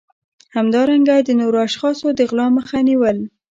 همدارنګه د نورو اشخاصو د غلا مخه نیول